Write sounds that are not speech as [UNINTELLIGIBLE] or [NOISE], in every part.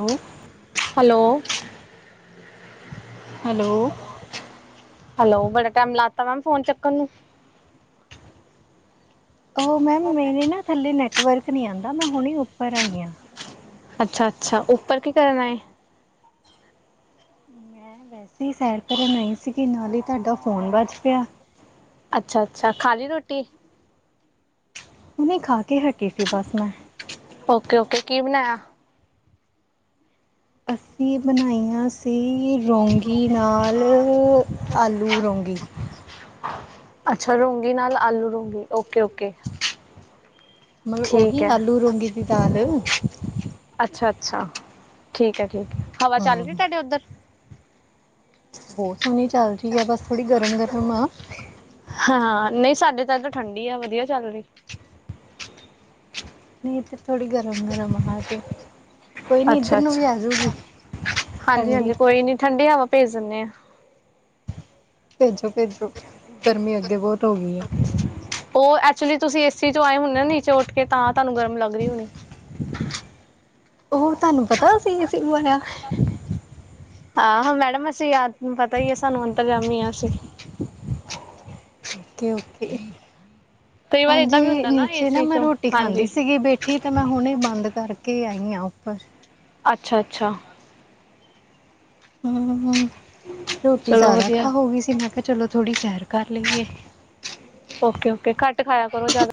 Hello. Hello. Hello. Hello ਬੜਾ time ਲਾ ਤਾਂ ਮੈਮ ਫੋਨ ਚੁੱਕਣ ਨੂੰ। ਉਹ ਮੈਮ ਮੇਰੇ ਨਾ ਥੱਲੇ ਨੈੱਟਵਰਕ ਨਹੀਂ ਆਉਂਦਾ ਮੈਂ ਹੁਣੇ ਹੀ ਉੱਪਰ ਆਈ ਹਾਂ। ਅੱਛਾ ਅੱਛਾ ਉੱਪਰ ਕੀ ਕਰਨਾ ਹੈ। ਮੈਂ ਵੈਸੇ ਹੀ ਸੈਰ ਕਰਨ ਆਈ ਸੀਗੀ ਨਾਲ ਹੀ ਤੁਹਾਡਾ ਫ਼ੋਨ ਵੱਜ ਪਿਆ। ਅੱਛਾ ਅੱਛਾ ਖਾਲੀ ਰੋਟੀ। ਹੁਣੀ ਖਾ ਕੇ ਹਟੀ ਸੀ ਬਸ ਮੈਂ। ਓਕੇ ਓਕੇ ਕੀ ਬਣਾਇਆ। ਅਸੀਂ ਬਣਾਈਆਂ ਸੀ ਰੌਗੀ ਨਾਲ ਆਲੂ। ਲੂ ਰੋਂਗੀ। ਅੱਛਾ ਰੌਗੀ ਨਾਲ ਆਲੂ ਰੂੰਗੀ ਓਕੇ ਓਕੇ। ਮਤਲਬ ਠੀਕ ਉਹੀ ਹੈ ਆਲੂ ਰੂਗੀ ਦੀ ਦਾਲ। ਅੱਛਾ- ਅੱਛਾ ਠੀਕ ਹੈ, ਠੀਕ ਹੈ ਹਵਾ ਹਾਂ ਚੱਲ ਗਈ ਤੁਹਾਡੇ ਉੱਧਰ। ਬਹੁਤ ਸੋਹਣੀ ਚੱਲ ਰਹੀ ਆ ਬਸ ਥੋੜੀ ਗਰਮ -ਗਰਮ ਆ। ਹਾਂ। ਨਹੀਂ ਸਾਡੇ ਤਾਂ ਏਧਰ ਠੰਡੀ ਆ ਵਧੀਆ ਚੱਲ ਰਹੀ ਹੈ। ਨਹੀਂ, ਇੱਧਰ ਥੋੜੀ ਗਰਮ- ਗਰਮ ਆ ਜੀ। ਕੋਈ ਨੀ ਇੱਧਰ ਅੱਛਾ- ਨੂੰ ਵੀ ਆਜੂਗੀ ਅੱਛਾ ਹਾਂਜੀ ਠੰਡੀ -ਹਾਂਜੀ। ਕੋਈ ਨੀ ਠੰਢੀਆਂ ਹਵਾ ਭੇਜ ਦਿੰਦੇ ਆ। ਭੇਜੋ -ਭੇਜੋ ਗਰਮੀ ਅੱਗੇ ਬਹੁਤ ਹੋ ਗਈ ਹੈ। ਉਹ ਐਕਚੁਲੀ ਤੁਸੀਂ ਏਸੀ ਚੋਂ ਆਏ ਹੁੰਦੇ ਨਾ ਨੀਚੇ ਉੱਠ ਕੇ ਤਾਂ ਤੁਹਾਨੂੰ ਗਰਮ ਲੱਗ ਰਹੀ ਹੋਣੀ। ਉਹ ਤੁਹਾਨੂੰ ਪਤਾ ਅਸੀਂ ਏਸੀ ਲਵਾਇਆ। ਆਹੋੋ ਮੈਡਮ ਅਸੀਂ ਯਾਦ ਪਤਾ ਹੀ ਆ ਸਾਨੂੰ ਅੰਦਰ ਜਾਂਦੇ ਹਾਂ ਅਸੀਂ। ਓਕੇ ਓਕੇ ਕਈ ਵਾਰ ਏਦਾਂ ਵੀ ਹਾਂਜੀ ਹੁੰਦਾ ਨੀਚੇ ਨਾ ਏਸੀ ਮੈਂ ਚੋਂ ਰੋਟੀ ਖਾਂਦੀ ਹਾਂਜੀ ਸੀਗੀ ਬੈਠੀ। ਤੇ ਮੈਂ ਹੁਣੇ ਬੰਦ ਕਰਕੇ ਆਈ ਹਾਂ ਉੱਪਰ। ਅੱਛਾ ਅੱਛਾ। ਹੂੰ ਹੂੰ ਰੋਟੀ ਚਲੋ ਜ਼ਿਆਦਾ ਵਧੀਆ ਖਾ ਹੋ ਗਈ ਸੀ। ਮੈਂ ਕਿਹਾ ਚਲੋ ਥੋੜ੍ਹੀ ਸੈਰ ਕਰ ਲਈਏ। ਓਕੇ ਓਕੇ ਘੱਟ ਖਾਇਆ ਕਰੋ ਜ਼ਿਆਦਾ।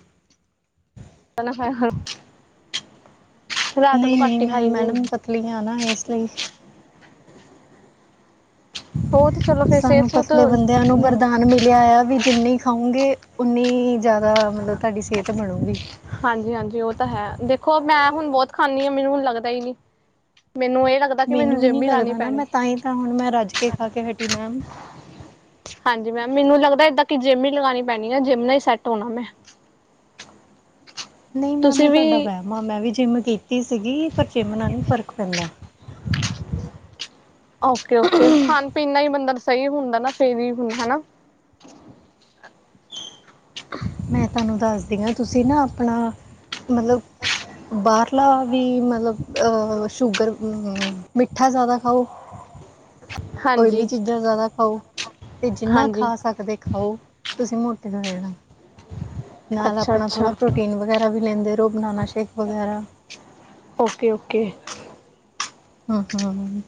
ਰਾਤ ਨਹੀਂ ਨੂੰ ਨਹੀਂ ਕੱਟ ਹੀ ਮੈਂ ਖਾਈ ਸੀ ਹੁੰਦੀ। [UNINTELLIGIBLE] ਉਹ ਤੇ ਚਲੋ ਫਿਰ ਸਿਹਤ ਸਾਨੂੰ ਸੂਤ ਪਤਲੇ ਬੰਦਿਆਂ ਨੂੰ ਵਰਦਾਨ ਮਿਲਿਆ ਆ ਵੀ ਜਿੰਨੀ ਖਾਊਂਗੇ ਉਓਨੀ ਜ਼ਿਆਦਾ ਮਤਲਬ ਤੁਹਾਡੀ ਸਿਹਤ ਬਣੂਗੀ। ਹਾਂਜੀ- ਹਾਂਜੀ ਉਹ ਤਾਂ ਹੈ, ਦੇਖੋ ਮੈਂ ਹੁਣ ਬਹੁਤ ਖਾਂਦੀ ਹਾਂ, ਮੈਨੂੰ ਹੁਣ ਲੱਗਦਾ ਹੀ ਨੀ। ਮੈਨੂੰ ਇਹ ਲੱਗਦਾ ਮੈਨੂੰ ਵੀ ਨਹੀਂ ਲਾਉਣੀ ਲੱਗਦਾ ਨਾ, ਪੈਣੀ ਮੈਂ ਤਾਂ ਹੀ ਤਾਂ ਹੁਣ ਮੈਂ ਰੱਜ ਕੇ ਖਾ ਕੇ ਹਟੀ ਮੈਮ। ਹਾਂਜੀ ਮੈਮ, ਮੈਨੂੰ ਲੱਗਦਾ ਏਦਾਂ ਕਿ ਜਿੰਮ ਹੀ ਲਗਾਉਣੀ ਪੈਣੀ ਆ ਜਿੰਮ ਨਾਲ ਹੀ ਸੈਟ ਹੋਣਾ ਮੈਂ। ਨਹੀਂ ਮੈਮ, ਤੁਸੀਂ ਇਹ ਤੁਹਾਡਾ ਵੀ ਵਹਿਮ ਆ ਮੈਂ ਵੀ ਜਿੰਮ ਕੀਤੀ ਸੀਗੀ ਪਰ ਜਿੰਮ ਨਾਲ ਨਹੀਂ ਫਰਕ ਪੈਂਦਾ। ਓਕੇ -ਓਕੇ ਖਾਣ -ਪੀਣ ਨਾਲ ਹੀ ਬੰਦਾ ਸਹੀ ਹੁੰਦਾ ਨਾ ਫਿਰ ਹੀ ਹੁੰਦਾ ਹਨਾ। ਮੈਂ ਤੁਹਾਨੂੰ ਦੱਸਦੀ ਹਾਂ, ਤੁਸੀਂ ਨਾ ਆਪਣਾ ਮਤਲਬ ਬਾਹਰਲਾ ਵੀ ਮਤਲਬ ਅ ਸ਼ੂਗਰ- ਮਿੱਠਾ ਜ਼ਿਆਦਾ ਖਾਓ। ਓਇਲੀ ਹਾਂਜੀ ਚੀਜ਼ਾਂ ਜ਼ਿਆਦਾ ਖਾਓ। ਅਤੇ ਜਿੰਨਾ ਹਾਂਜੀ ਖਾ ਸਕਦੇ ਖਾਓ। ਤੁਸੀਂ ਮੋਟੇ ਹੋ ਜਾਣਾ। ਨਾਲ ਅੱਛਾ ਆਪਣਾ ਥੋੜ੍ਹਾ ਅੱਛਾ ਪ੍ਰੋਟੀਨ ਵਗੈਰਾ ਵੀ ਲੈਂਦੇ ਰਹੋ। ਬਨਾਨਾ ਸ਼ੇਕ ਵਗੈਰਾ। Okay- okay. ਹਮ-ਹਮ-ਹਮ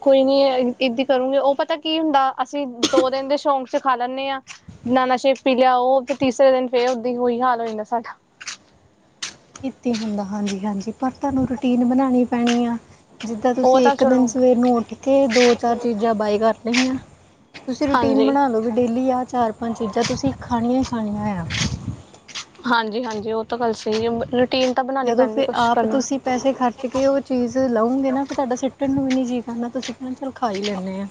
ਕੋਈ ਨਹੀਂ ਕੀਤੀ ਕਰੋਗੇ ਉਹ ਪਤਾ ਕੀ ਹੁੰਦਾ। ਅਸੀਂ ਦੋ ਦਿਨ ਦੇ ਸ਼ੌਂਕ ਚਾ ਖਾ ਲੈਦੇ ਆਂ। ਬਨਾਨਾ ਸ਼ੇਕ ਪੀ ਲਿਆ ਤੇ ਉ ਤੀਸਰੇ ਫੇਰ ਦਿਨ ਉਹੀ ਹਾਲ ਹੋ ਜੰਦਾ। ਇੱਥ ਹੁੰਦਾ। ਹਾਂਜੀ- ਹਾਂਜੀ ਪਰ ਤੁਹਾਨੂੰ ਰੂਟੀਨ ਬਣਾਉਣੀ ਪੈਣੀ ਆ। ਜਿੱਦਾਂ ਉਹ ਤੁਸੀਂ ਤਾਂ ਇੱਕ ਦਿਨ ਚਲੋ ਸਵੇਰ ਨੂੰ ਉੱਠ ਕੇ ਦੋ, ਚਾਰ ਚੀਜ਼ਾਂ ਬਾਏ ਕਰ ਲਈਆਂ। ਤੁਸੀਂ ਰੂਟੀਨ ਹਾਂਜੀ ਬਣਾ ਲਓ ਵੀ ਡੇਲੀ ਆ ਚਾਰ, ਪੰਜ ਚੀਜ਼ਾਂ ਤੁਸੀਂ ਖਾਣੀਆਂ ਹੀ ਖਾਣੀਆਂ ਆ। ਹਾਂਜੀ -ਹਾਂਜੀ ਉਹ ਤਾਂ ਗੱਲ ਸਹੀ ਹੈ ਰੂਟੀਨ ਤਾਂ ਬਣਾਉਣੀ ਪੈਂਦੀ ਹੈ ਕੁਛ ਕਰਨ ਨਾ। ਕਿ ਉਹ ਚੀਜ਼ ਲਉਂਗੇ ਨਾ ਫਿਰ ਤੁਹਾਡਾ ਸਿੱਟਣ ਨੂੰ ਵੀ ਨਹੀਂ ਜੀਅ ਕਰਨਾ ਤੁਸੀਂ ਕਹਿਣਾ ਚੱਲ ਖਾ ਹੀ ਲੈਂਦੇ ਆਂ।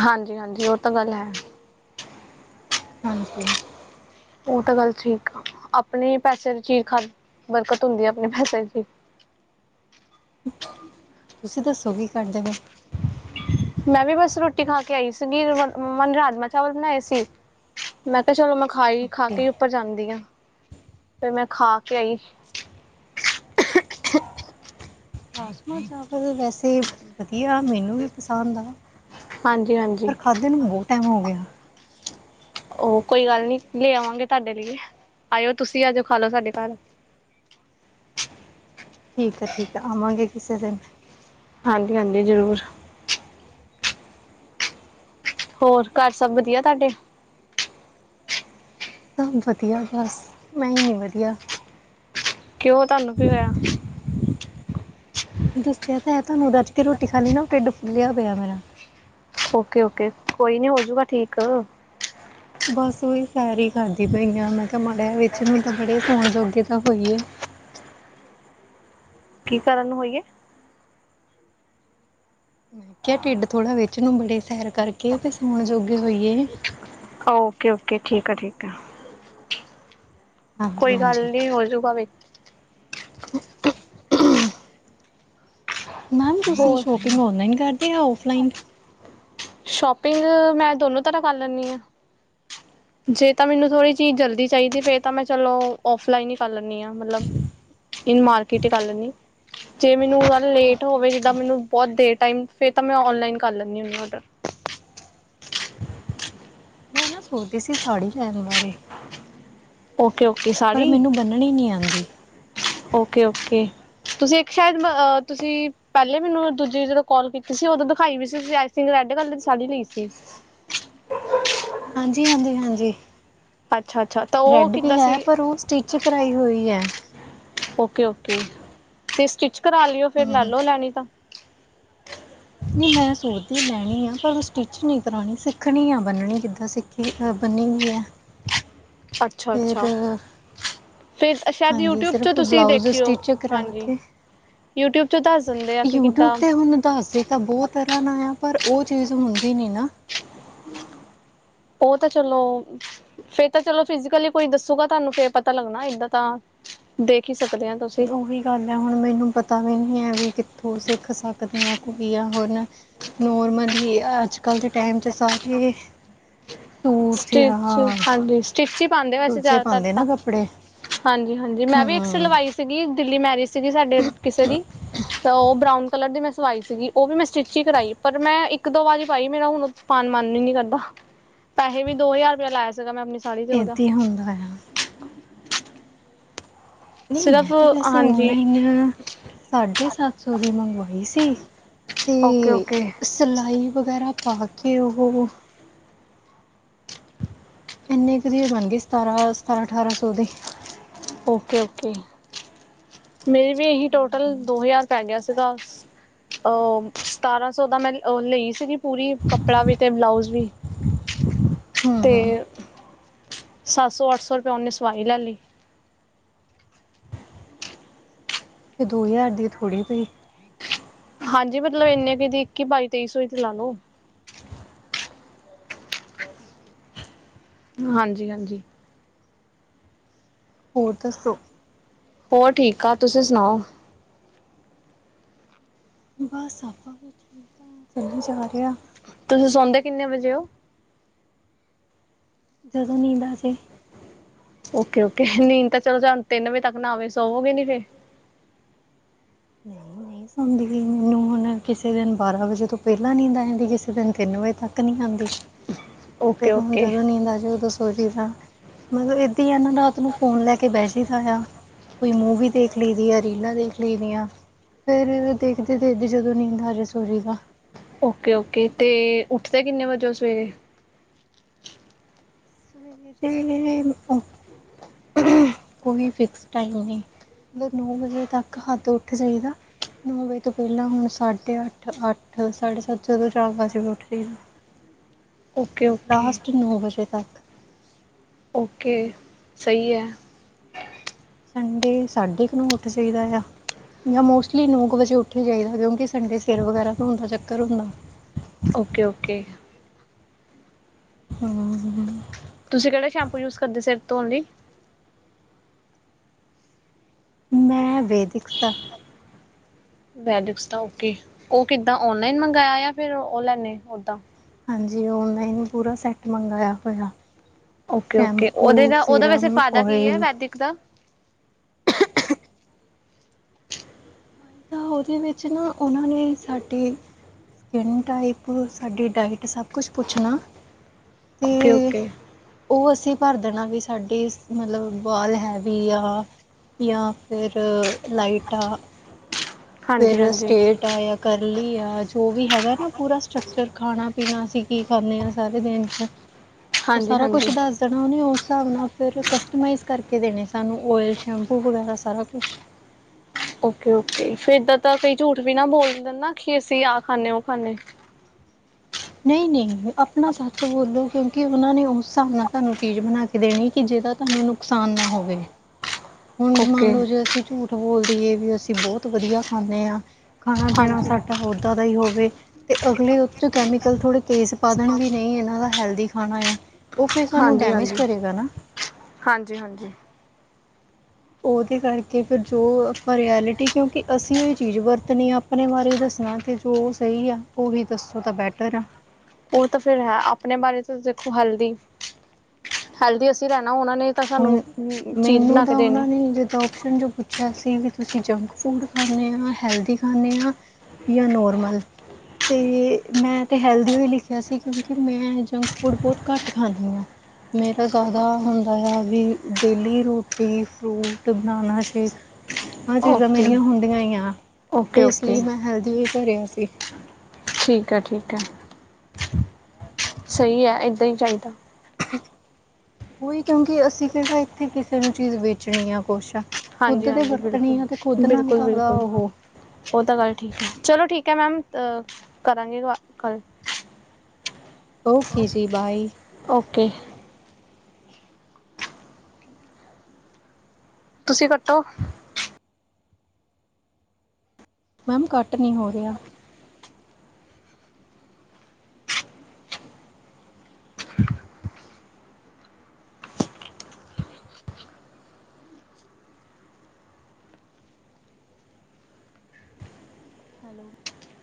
ਹਾਂਜੀ -ਹਾਂਜੀ ਉਹ ਤਾਂ ਗੱਲ ਹੈ। ਹਾਂਜੀ। ਉਹ ਤਾਂ ਗੱਲ ਠੀਕ ਆ। ਆਪਣੇ ਪੈਸੇ ਦੀ ਚੀਜ਼ ਖਾ ਬਰਕਤ ਹੁੰਦੀ ਆ ਆਪਣੇ ਪੈਸੇ ਚ' ਹੀ। ਤੁਸੀਂ ਦੱਸੋ ਕੀ ਕਰਦੇ ਪਏ? ਮੈਂ ਵੀ ਬਸ ਰੋਟੀ ਖਾ ਕੇ ਆਈ ਸੀਗੀ ਮ ਰਾਜਮਾ -ਚਾਵਲ ਬਣਾਏ ਸੀ। ਮੈਂ ਕਿਹਾ, ਚਲੋ ਮੈਂ ਖਾਈ ਖਾ ਓਕੇ ਕੇ ਹੀ ਉੱਪਰ ਜਾਂਦੀ ਹਾਂ, ਫਿਰ ਮੈਂ ਖਾ ਕੇ ਆਈ। [INAUDIBLE] ਰਾਜਮ -ਚਾਵਲ ਵੈਸੇ ਵਧੀਆ ਮੈਨੂੰ ਵੀ ਪਸੰਦ ਆ। ਹਾਂਜੀ -ਹਾਂਜੀ। ਤੈਨੂੰ ਬਹੁਤ ਟਾਈਮ ਹੋ ਗਿਆ। ਉਹ ਕੋਈ ਗੱਲ ਨਹੀਂ ਲੇ ਆਵਾਂਗੇ, ਤੁਹਾਡੇ ਲਈ ਆਓ ਤੁਸੀਂ ਅੱਜ ਖਾ ਲਓ ਸਾਡੇ ਘਰ। ਠੀਕ ਹੈ ਠੀਕ ਆਵਾਂਗੇ, ਕਿਸੇ ਦਿਨ ਹਾਂਜੀ- ਹਾਂਜੀ। ਜ਼ਰੂਰ। ਹੋਰ ਘਰ ਸਭ ਵਧੀਆ ਤੁਹਾਡੇ। ਸਭ ਵਧੀਆ ਬਸ, ਮੈਂ ਹੀ ਨਹੀਂ ਵਧੀਆ। ਕਿਉਂ, ਤੁਹਾਨੂੰ ਕੀ ਹੋਇਆ। ਦੱਸਿਆ ਤਾਂ ਹੈ, ਤੁਹਾਨੂੰ ਰੱਜ ਕੇ ਰੋਟੀ ਖਾ ਲਈ ਨਾ ਉਹ ਢਿੱਡ ਫੁੱਲਿਆ ਪਿਆ ਮੇਰਾ। ਓਕੇ -ਓਕੇ ਕੋਈ ਨ ਹੋਜੂਗਾ ਠੀਕ। ਬਸ, ਉਹੀ ਸੈਰ ਹੀ ਕਰਦੀ ਪਈ ਹਾਂ, ਮੈਂ ਕਿਹਾ, ਮਾੜਾ ਵਿੱਚ ਨੂੰ ਤਾਂ ਬੜੇ ਸੋਣ ਜੋਗੇ ਤਾਂ ਹੋਈਏ। ਕੀ ਕਰਨ ਨੂੰ ਹੋਈਏ? ਮੈਂ ਕਿਹਾ, ਢਿੱਡ ਥੋੜਾ ਵਿਚ ਨੂੰ ਬੜੇ ਸੈਰ ਕਰਕੇ ਤੇ ਸੌਣ ਜੋਗੇ ਹੋਈਏ। ਓਕੇ- ਓਕੇ ਠੀਕ ਆ, ਠੀਕ ਆ। ਹਾਂਜੀ ਕੋਈ ਗੱਲ ਹਾਂਜੀ ਨੀ ਹੋਜੂਗਾ ਵੇਖ- [INAUDIBLE] ਮੈਮ, ਤੁਸੀਂ ਹੋਰ ਸ਼ੋਪਿੰਗ ਔਨਲਾਈਨ ਕਰਦੇ ਆ ਔਫਲਾਈਨ। ਸ਼ੋਪਿੰਗ ਮੈਂ ਦੋਨੋਂ ਤਰ੍ਹਾਂ ਕਰ ਲੈਂਦੀ ਹਾਂ। ਜੇ ਤਾਂ ਮੈਨੂੰ ਥੋੜ੍ਹੀ ਚੀਜ਼ ਜਲਦੀ ਚਾਹੀਦੀ, ਫੇਰ ਤਾਂ ਮੈਂ ਚਲੋ ਔਫਲਾਈਨ ਹੀ ਕਰ ਲੈਂਦੀ ਹਾਂ ਮਤਲਬ। ਇਨ ਮਾਰਕੀਟ ਗੱਲ ਨ ਜੇ ਮੈਨੂੰ ਉਹ ਲੇਟ ਓਕੇ ਹੋਵੇ ਜਿੱਦਾਂ ਓਕੇ ਮੈਨੂੰ ਬਹੁਤ ਦੇਰ ਟਾਈਮ ਫੇਰ ਤਾਂ ਮੈਂ ਔਨਲਾਈਨ ਕਰ ਲੈਂਦੀ ਹੁੰਡਰ ਮੈਂ ਨਾ ਸੋਚਦੀ ਸੀ ਸਾੜੀ ਲੈਣ ਬਾਰੇ ਓਕੇ ਓਕੇ ਪਰ ਸਾੜੀ ਮੈਨੂੰ ਬੰਨਣੀ ਨਹੀਂ ਆਉਂਦੀ ਓਕੇ ਓਕੇ ਤੁਸੀਂ ਇੱਕ ਸ਼ਾਇਦਹ ਤੁਸੀਂ ਪਹਿਲੇ ਮੈਨੂੰ ਦੂਜੀ ਜਦੋਂ ਕਾਲ ਕੀਤੀ ਸੀ ਉਦੋਂ ਦਿਖਾਈ ਵੀ ਸੀ ਸਿੰਘ ਰੈਡ ਕਲਰ ਦੀ ਸਾਾਲੀ ਲਈ ਸੀ ਹਾਂਜੀ ਹਾਂਜੀ ਹਾਂਜੀ ਅੱਛਾ ਅੱਛਾ ਤਾਂ ਉਹ ਰੈਡ ਵੀ ਕਿੱਦਾਂ ਹੈ ਸੀ ਪਰ ਉਹ ਸਟਿਚ ਕਰਾਈ ਹੋਈ ਹੈ ਓਕੇ ਓਕੇ ਤੇ ਸਟਿਚ ਕਰਾ ਲਿਓ ਫੇਰ ਹਮ ਲੈ ਹਮ ਲੋ ਲੈਣੀ ਤਾਂ ਨੀ ਮੈਂ ਸੋਚਦੀ ਲੈਣੀ ਆ, ਪਰ ਉਹ ਸਟਿਚ ਨਹੀਂ ਕਰਾਣੀ ਸਿੱਖਣੀ ਆ ਬੰਨਣੀ ਕਿੱਦਾਂ ਸੀ। [UNINTELLIGIBLE] [INAUDIBLE] [UNINTELLIGIBLE] ਫਿਰ ਸ਼ਾਇਦ ਹਾਂਜੀ, ਯੂਟਿਊਬ 'ਚ ਸਿਰਫ਼ ਤੁਸੀਂ ਬਲਾਉਜ਼ ਦੇਖਿਓ ਸਟਿਚ ਕਰਾ ਹਾਂਜੀ ਕੇ ਯੂਟਿਊਬ 'ਚ ਦੱਸ ਦਿੰਦੇ ਆ ਕਿ ਯੂਟਿਊਬ ਕਿੱਦਾਂ ਤੇ ਹੁਣ ਦੱਸ ਤਾਂ ਬਹੁਤ ਤਰ੍ਹਾਂ ਨਾਲ ਆ ਪਰ ਉਹ ਚੀਜ਼ ਹੁੰਦੀ ਨਹੀਂ ਨਾ ਉਹ ਤਾਂ ਚਲੋ ਫੇਰ ਤਾਂ ਚਲੋ ਫਿਜੀਕਲੀ ਕੋਈ ਦੱਸੂਗਾ ਤੁਹਾਨੂੰ ਫ ਪਤਾ ਲੱਗਣਾ ਏਦਾਂ ਤਾਂ ਦੇਖ ਹੀ ਸਕਦੇ ਹਾਂ ਦੂਰੀ ਗੱਲ ਹੈ ਹੁਣ ਮੈਨੂੰ ਪਤਾ ਵੀ ਨਹੀਂ ਹੈ ਵੀ ਕਿੱਥੋਂ ਸਿੱਖ ਸਕਦੇ ਹਾਂ ਕੋਈ ਆ ਹੁਣ ਨੋਰਮਲੀ ਅਜ ਕਲ ਦੇ ਟਾਈਮ ' ਸਾਰੇ ਸੂਟ ਸਟਿਚ ਜਾਂ ਹਾਂਜੀ ਸਟਿਚ ਹੀ ਪਾਉਂਦੇ ਵੈਸੇ ਦੂਜੇ ਜ਼ਿਆਦਾਤਰ ਪਾਉਂਦੇ ਨਾ ਤਾਂ ਕੱਪੜੇ ਹਾਂਜੀ ਹਾਂਜੀ ਮੈਂ ਵੀ ਇੱਕ ਹੂੰ ਸਿਲਵਾਈ ਸੀਗੀ ਦਿੱਲੀ ਮੈਰਿਜ ਸੀਗੀ ਸਾਡੇ ਕਿਸੇ ਦੀ ਤਾਂ ਉਹ ਬਰਾਊਨ ਕਲਰ ਦੀ ਮੈਂ ਸਵਾਈ ਸੀਗੀ ਉਹ ਵੀ ਮੈਂ ਸਟਿਚ ਹੀ ਕਰਵਾਾਈ ਪਰ ਮੈਂ ਇੱਕ ਦੋ ਵਾਰੀ ਪਾਈ ਮੇਰਾ ਹੁਣ ਪਾਾਨ ਮਨ ਹੀ ਨੀ ਕਰਦਾ ਪੈਸੇ ਵੀ ਦੋ ਹਜ਼ਾਰ ਰੁਪਇਆ ਲਾਇਆ ਸੀਗਾ ਮੈਂ ਆਪਣੀ ਸਾੜੀ ਤੇ ਉਹਦਾ ਇੱਦਾਂ ਹੁੰਦਾ ਆ ਨਹੀਂ ਮੈਂ ਸਿਰਫ ਤਾਂ ਵੈਸੇ ਹਾਂਜੀ ਔਨਲਾਈਨ ਸਾਢੇ ਸੱਤ ਸੌ ਦੀ ਮੰਗਵਾਈ ਸੀ ਓਕੇ ਤੇ ਓਕੇ ਸਿਲਾਈ ਵਗੈਰਾ ਪਾ ਕੇ ਉਹ ਇੰਨੇ ਕੁ ਦਿ ਬਣ ਗਏ ਸਤਾਰਾਂ ਸਤਾਰਾਂ ਅਠਾਰਾਂ ਸੌ ਦੇ ਓਕੇ ਓਕੇ ਮੇਰੀ ਵੀ ਇਹੀ ਟੋਟਲ ਦੋ ਹਜ਼ਾਰ ਪੈ ਗਿਆ ਸੀ ਗਾ ਅਹ ਸਤਾਰਾਂ ਸੌ ਦਾ ਮੈਂ ਲਈ ਸੀਗੀ ਪੂਰੀ ਕੱਪੜਾ ਵੀ ਅਤੇ ਬਲਾਊਜ਼ ਵੀ ਤੇ ਹੂੰ ਸੱਤ ਸੌ ਅੱਠ ਸ ਰੁਪਇਆ ਉਹਨੇ ਸਵਾਈ ਲੈ ਲਈ ਫ ਦੋ ਹਜ਼ਾਰ ਦੀ ਥੋੜ੍ਹੀ ਪਈ ਹਾਂਜੀ ਮਤਲਬ ਇੰਨੇ ਕਿ ਇੱਕੀ ਬਾਈ ਤੇਈ ਸੌ ਹੀ ਤੇ ਲਾ ਲੋ ਹਾਂਜੀ ਹਾਂਜੀ ਹੋਰ ਦੱਸੋ ਤੋਂ ਹੋਰ ਠੀਕ ਠਾਕ ਤੁਸੀਂ ਸੁਣਾਓ ਬਸ ਆਪਾਂ ਵੀ ਠੀਕ ਆਾਂ ਚੱਲ ਜਾ ਰਿਹਾ ਤੁਸੀਂ ਸੌਂਦੇ ਕਿੰਨੇ ਵਜੇ ਹੋ ਜਦੋਂ ਨਹੀਂਦਾ ਸੀ ਓਕੇ ਓਕੇ ਨੀਂ ਤਾਂ ਚਲ ਜਾਣ ਤਿੰਨ ਵਜੇ ਤੱਕ ਨਾ ਆਵੇ ਸਵੋਗੇ ਨ ਫਿਰ ਨਹੀਂ ਨਹੀਂ ਮੈਨੂੰ ਹੁਣ ਕਿਸੇ ਦਿਨ ਬਾਰਾਂ ਵਜੇ ਤੋਂ ਪਹਿਲਾਂ ਨੀਦੀ ਕਿਸੇ ਦਿਨ ਤਿੰਨ ਵਜੇ ਤੱਕ ਨਹੀਂੀ ਆਉਂਦੀ ਫਿਰ ਓਕੇ ਹੁਣ ਓਕੇ ਜਦੋਂ ਨੀਂ ਆ ਜਾਵੇ ਉਦੋਂ ਸੋਚੀਦਾ ਮਤਲਬ ਏਦਾਂ ਹੀ ਆ ਨਾ ਰਾਤ ਨੂੰ ਫ਼ੋਨ ਲੈ ਕੇ ਬਹਿਠਦਾ ਆ ਕੋਈ ਮੂਵੀ ਦੇਖ ਲਈ ਆ ਰੀਲਾਂ ਦੇਖ ਲਈਆਂ ਫੇਰ ਦੇਖਦੇ ਦੇਖਦੇ ਜਦੋਂ ਨੀਂਦ ਆਜ ਸੋਰੀ ਦਾ ਓਕੇ ਓਕੇ ਅਤੇ ਉੱਠਦੇ ਕਿੰਨੇ ਵਜੇੋਂ ਸਵੇਰੇ ਸਵੇਰੇ ਦੇ ਕੋਈ ਫਿਕਸ ਟਾਈਮ ਨਹੀਂ ਮੋਕ ਨੌ ਵਜੇ ਤੱਕ ਹੱਦ ਉੱਠ ਜਾਈ ਦਾ ਐ। ਨੌ ਵਜੇ ਤੋਂ ਪਹਿਲਾਂ ਹੁਣ ਸਾਢੇ ਅੱਠ, ਅੱਠ, ਸਾਢੇ ਸੱਤ ਜਦੋਂ ਚਾਰ ਵਜੇ ਉੱਠਦੇ ਆ। ਓਕੇ ਓਕੇ ਲਾਸਟ ਨੌ ਵਜੇ ਤੱਕ ਓਕੇ ਸਹੀ ਹੈ। ਸੰਡੇ ਸਾਡੇ ਨੋ ਉੱਠ ਜਾਹੀਦਾ ਐ। ਜਾਂ ਮੋਸਟਲੀ ਨੌ ਕੁ ਵਜੇ ਉੱਠ ਹੀ ਜਾਹੀਦਾ। ਕਿਉ ਕਿ ਸੰਡੇ ਸਿਰ ਵਗੈਰਾ ਧੋਣ ਦਾ ਚੱਕਰ ਹੁੰਦਾ। ਓਕੇ-ਓਕੇ ਹੂੰ ਤੁਸੀਂ ਕਿਹੜਾ ਸ਼ੈਂਪੂ ਯੂਜ ਕਰਦੇ ਸਿਰ ਧੋਣ ਲਈ ਮੈਂ ਵੇਦਿਕਸ ਦਾ। ਵੈਦੀਕਸ ਦਾ ਓਕੇ, ਉਹ ਕਿੱਦਾਂ ਔਨਲਾਈਨ ਮੰਗਵਾਆ ਜਾਂ ਫਿਰ ਉਹ ਲੈਂਦੇ ਓਦਾਂ। ਹਾਂਜੀ। ਔਨਲਾਈਨ ਪੂਰਾ ਸੈੱਟ ਮੰਗਵਾਇਆ ਪਿਆ। ਓਕੇ -ਓਕੇ, ਉਹਦੇ ਦਾ ਉਹਦਾ ਵੈਸੇ ਸਿਰਮ, ਫਾਇਦਾ ਕੀ ਐ। ਓਇਲ ਵੈਦਿਕ ਦਾ ਤਾਂ ਉਹਦੇ ਵਿੱਚ ਨਾ ਉਹਨਾਂ ਨੇ ਸਾਡੀ ਸਕਨ ਟਾਈਪ, ਸਾਡੀ ਡਾਇਟ ਸਭ ਕੁਛ ਪੁੱਛਣਾ। ਤੇ ਓਕੇ-ਓਕੇ ਉਹ ਅਸੀਂ ਭਰ ਦੇਣਾ ਵੀ ਸਾਡੇ, ਮਤਲਬ ਵਾਲ ਹੈਵੀ ਆ ਜਾਂ ਫਿਰ ਲਾਈਟਾਂ ਆ। ਫੇਰ ਹਾਂਜੀ ਹਾਂਜੀ ਸਟੇਟ ਯਾ ਕਰਲੀ ਆ ਜੋ ਵੀ ਹੈਗਾ। ਨਾ ਪੂਰਾ ਸਟਕਚਰ ਖਾਣਾ -ਪੀਣਾ ਅਸੀਂ ਕੀ ਖਾਂਦੇ ਹਾਂ। ਸਾਰੇ ਦਿਨ 'ਚ ਉਹ ਹਾਂਜੀ ਸਾਰਾ ਕੁਛ ਹਾਂਜੀ ਦੱਸ ਦੇਣਾ। ਉਸ ਹਿਸਾਬ ਨਾਲ ਫ਼ਿਰ ਕਸਟਮਾਈਜ਼ ਕਰਕੇ ਦੇਣੇ ਸਾਨੂੰ। ਓਇਲ, ਸ਼ੈਂਪੂ ਵਗੈਰਾ ਸਾਰਾ ਕੁਛ ਓਕੇ- ਓਕੇ। ਫਿਰ ਦਾਂ ਤਾਂ ਕਈ ਝੂਠ ਵੀ ਨਾ ਬੋਲ ਦਿੰਦੇ ਨਾ। ਕਿ ਅਸੀਂ ਆਹ ਖਾਂਦੇ, ਉਹ ਖਾਂਦੇੇ ਨਹੀਂ-ਨਹੀਂ ਆਪਣਾ ਸੱਚ ਬੋਲੋ। ਕਿਉਂਕਿ ਉਹਨਾਂ ਨੇ ਉਸ ਹਿਸਾਬ ਨਾਲ ਤੁਹਾਨੂੰ ਚੀਜ਼ ਬਣਾ। ਦੇਣੀ। ਕਿ ਜਿਹਦਾ ਤੁਹਾਨੂੰ ਨੁਕਸਾਨ ਨਾ ਹੋਵੇ। ਹੁਣ ਮੰਨ ਓਕੇ ਲਓ। ਜੇ ਅਸੀਂ ਝੂਠ ਬੋਲਦੀਏ ਵੀ ਅਸੀਂ ਬਹੁਤ ਵਧੀਆ ਖਾਂਦੇ ਆ। ਖਾਣਾ-ਪੀਣਾ ਹਾਂਜੀ ਸਾਡਾ ਉੱਦਾਂ ਦਾ ਹੀ ਹੋਵੇ। ਤੇ ਅਗਲੇ ਉਹ 'ਚ ਕੈਮੀਕਲ ਥੋੜ੍ਹੇ ਤੇਜ਼ ਪਾਧਨ ਵੀ ਨਹੀਂ ਹੈਨਾ। ਇਹਨਾਂ ਦਾ ਹੈਲਦੀ ਖਾਣਾ ਆ। ਉਹ ਫਿਰ ਸਾਨੂੰ ਹਾਂਜੀ ਡੈਮੇਜ ਹਾਂਜੀ ਕਰੇਗਾ ਨਾ। ਹਾਂਜੀ ਹਾਂਜੀ। ਉਹਦੇ ਕਰਕੇ ਫਿਰ ਜੋ ਆਪਾਂ ਰਿਐਲਿਟੀ। ਕਿਉਂਕਿ ਅਸੀਂ ਉਹ ਇਹ ਚੀਜ਼ ਵਰਤਣੀ ਆ। ਆਪਣੇ ਬਾਰੇ ਦੱਸਣਾ ਅਤੇ ਜੋ ਸਹੀ ਆ ਉਹ ਵੀ ਦੱਸੋ ਤਾਂ ਬੈਟਰ ਐ। ਉਹ ਤਾਂ ਫੇਰ ਹੈ। ਆਪਣੇ ਬਾਰੇ ਤੁਸੀ ਦੇਖੋ ਹੈਲਦੀ ਹੈਲਦੀ ਅਸੀਂ ਰਹਿਣਾ ਉਹਨਾਂ ਨੇ ਤਾਂ ਸਾਨੂੰ, ਚੀਜ਼ ਬਣਾ ਕੇ ਦੇਣੀ। ਜਦੋਂ ਪੁੱਛਿਆ ਸੀ। ਵੀ ਤੁਸੀਂ ਜੰਕ ਫੂਡ ਖਾਂਦੇ ਆ, ਹੈਲਦੀ ਖਾਂਦੇ ਆ। ਜਾਂ ਨੋਰਮਲ। ਅਤੇ ਮੈਂ ਤਾਂ ਹੈਲਦੀ ਹੋ ਹੀ ਲਿਖਿਆ ਸੀ। ਕਿਉਂਕਿ ਮੈਂ ਜੰਕ ਫੂਡ ਬਹੁਤ ਘੱਟ ਖਾਂਦੀ ਆ। ਮੇਰਾ ਜ਼ਿਆਦਾ ਹ ਹੈ ਵੀ, ਡੇਲੀ ਰੂਟੀਨ ਫਰੂਟ ਬਣਾਣਾ ਆਸੀ ਆ ਚੀਜ਼ਾਂ ਓਕੇ ਮੇਰੀਆਂ ਹੁੰਦੀਆਂ ਹੀ ਆ। ਓਕੇ ਇਸ ਓਕੇ ਲਈ ਮੈਂ ਹੈਲਦੀ ਵੀ ਭਰਿਆ ਸੀ। ਠੀਕ ਹੈ। ਠੀਕ ਹੈ। ਸਹੀ ਹੈ। ਇੱਦਾਂ ਹੀ ਚਾਹੀਦਾ। ਉਹੀ ਕਿਉਂਕਿ, ਅਸੀਂ ਕਿਹੜਾ ਇੱਥੇ ਕਿਸੇ ਨੂੰ ਚੀਜ਼ ਵੇਚਣੀ ਆ ਕੁਛ ਆ। ਹਾਂਜੀ ਖੁਦ ਤੇ ਹਾਂਜੀ ਬਿਲਕੁਲ ਵਰਤਣੀ ਆ। ਤੇ ਖੁੱਦ ਨਾਲ ਬਿਲਕੁਲ ਕਾਹਦਾ ਬਿਲਕੁਲ ਉਹ ਉਹ ਤਾਂ ਗੱਲ ਠੀਕ ਹੈ। ਚਲੋ ਠੀਕ ਹੈ। ਮੈਮ ਕਰਾਂਗੇ ਕੱਲ [INAUDIBLE] ਓਕੇ ਜੀ ਬਾਏ ਓਕੇ ਤੁਸੀਂ ਕੱਟੋ ਮੈਮ ਘੱਟ ਨਹੀਂ ਹੋ ਰਿਹਾ [INAUDIBLE]